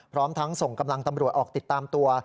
พร้อมทั้งส่งกำลังตำรวจออกติดตามตัว